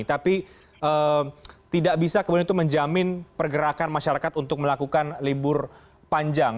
tapi tidak bisa kemudian itu menjamin pergerakan masyarakat untuk melakukan libur panjang